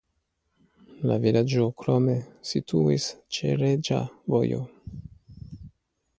La vilaĝo krome situis ĉe Reĝa Vojo.